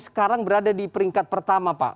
sekarang berada di peringkat pertama pak